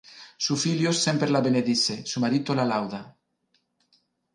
Su filios semper la benedice; su marito la lauda.